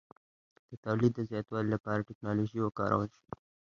د تولید د زیاتوالي لپاره ټکنالوژي وکارول شوه.